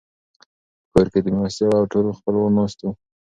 په کور کې مېلمستيا وه او ټول خپلوان ناست وو.